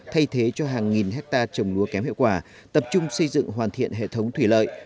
thay thế cho hàng nghìn hectare trồng lúa kém hiệu quả tập trung xây dựng hoàn thiện hệ thống thủy lợi